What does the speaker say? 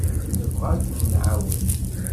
Nebɣa ad kem-nɛawen.